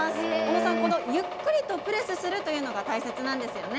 小野さん、このゆっくりとプレスするというのが大切なんですよね。